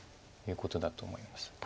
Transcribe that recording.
いうことだと思います。